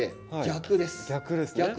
逆ですね。